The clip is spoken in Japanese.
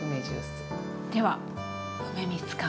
では梅みつかん。